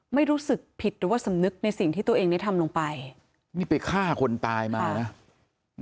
ไม่รู้สึกผิดหรือว่าสำนึกในสิ่งที่ตัวเองได้ทำลงไปนี่ไปฆ่าคนตายมานะ